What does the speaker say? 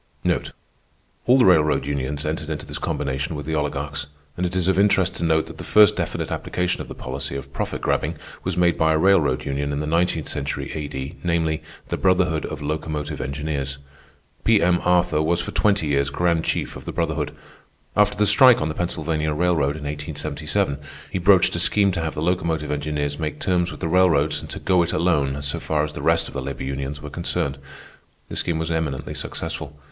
All the railroad unions entered into this combination with the oligarchs, and it is of interest to note that the first definite application of the policy of profit grabbing was made by a railroad union in the nineteenth century A.D., namely, the Brotherhood of Locomotive Engineers. P. M. Arthur was for twenty years Grand Chief of the Brotherhood. After the strike on the Pennsylvania Railroad in 1877, he broached a scheme to have the Locomotive Engineers make terms with the railroads and to "go it alone" so far as the rest of the labor unions were concerned. This scheme was eminently successful.